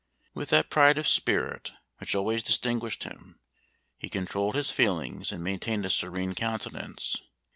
With that pride of spirit which always distinguished him, he controlled his feelings and maintained a serene countenance.